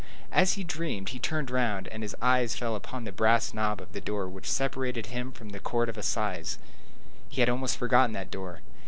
As he dreamed, he turned round, and his eyes fell upon the brass knob of the door which separated him from the Court of Assizes. He had almost forgotten that door.